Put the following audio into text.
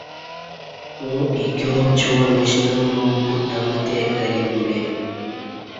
ا وں ایکیوپچوع ن شنم با پوت دمے تے اہ لی بلے